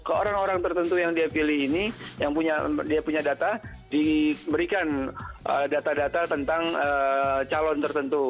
ke orang orang tertentu yang dia pilih ini yang dia punya data diberikan data data tentang calon tertentu